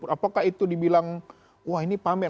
apakah itu dibilang wah ini pamer